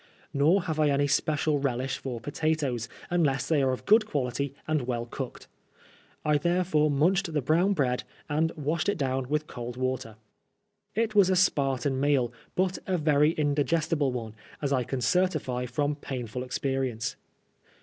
Nor have I any special relish for potatoes, unless they are of good quality and well cooked. I therefore munched the brown bread, and washed it down with cold water. It was a Spartan meal, but a very indi gestible one, as 1 can certify from painful experience.